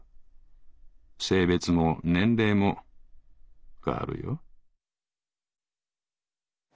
性別も年齢も変わるよ」。